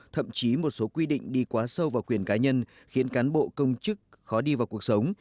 thậm chí một số quy định đi quá sâu vào quyền cá nhân khiến cán bộ công chức khó đi vào cuộc sống